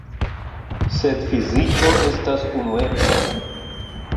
Sed fiziko estas unueca.